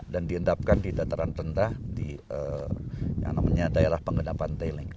dan diendapkan di dataran rendah di daerah pengendapan tailing